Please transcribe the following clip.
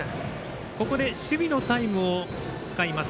ここで守備のタイムを使います。